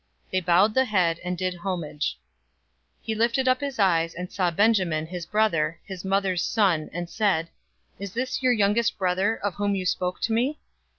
They bowed the head, and did homage. 043:029 He lifted up his eyes, and saw Benjamin, his brother, his mother's son, and said, "Is this your youngest brother, of whom you spoke to me?"